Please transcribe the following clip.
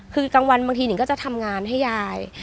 คือกลางวันบางทีหนิงก็จะทำงานให้ยาย